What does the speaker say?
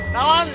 namam siapa pak